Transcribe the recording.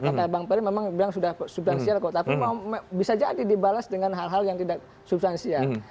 kata bang peri memang bilang sudah substansial kok tapi bisa jadi dibalas dengan hal hal yang tidak substansial